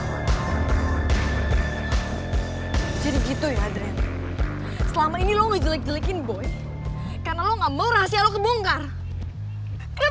sebaiknya maks existed youngest lady bahu supaya kamu bisa ngonspirasi kepada dirima